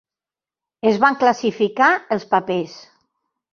Es van classificar els papers.